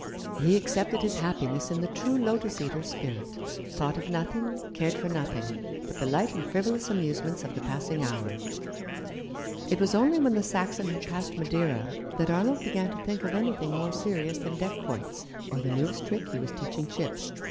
He accepted his happiness in the true lotus eater's spirit — thought of nothing, cared for nothing, but the light and frivolous amusements of the passing hour. It was only when the Saxon had passed Madeira that Arnold began to think of anything more serious than deck quoits, or the newest trick he was teaching Chip.